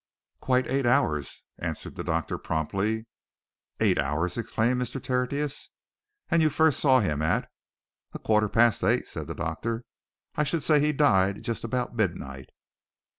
"Quite eight hours," answered the doctor promptly. "Eight hours!" exclaimed Mr. Tertius. "And you first saw him at " "A quarter past eight," said the doctor. "I should say he died just about midnight."